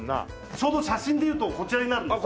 ちょうど写真でいうとこちらになるんですよ。